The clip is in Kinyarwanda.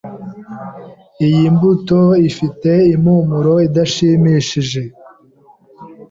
Iyi mbuto ifite impumuro idashimishije.